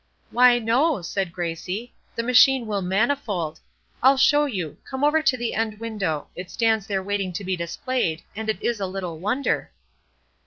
"Why no!" said Gracie, "the machine will manifold. I'll show you; come over to the end window; it stands there waiting to be displayed, and it is a little wonder."